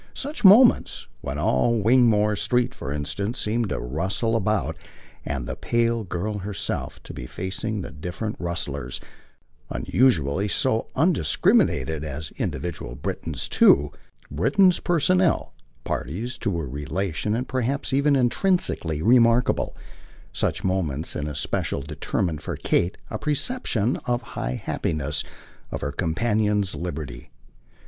Such moments, when all Wigmore Street, for instance, seemed to rustle about and the pale girl herself to be facing the different rustlers, usually so undiscriminated, as individual Britons too, Britons personal, parties to a relation and perhaps even intrinsically remarkable such moments in especial determined for Kate a perception of the high happiness of her companion's liberty.